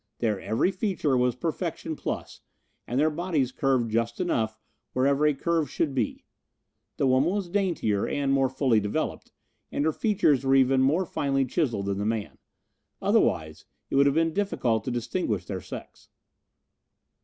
Their every feature was perfection plus, and their bodies curved just enough wherever a curve should be. The woman was daintier and more fully developed, and her features were even more finely chiseled than the man. Otherwise it would have been difficult to distinguish their sex.